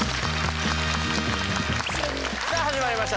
さあ始まりました